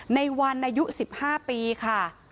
ในวันอายุ๑๕ปีค่ะ